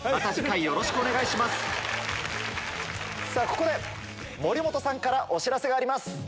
ここで森本さんからお知らせがあります。